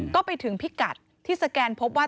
ก็ไปถึงพิกัดที่สแกนพบว่า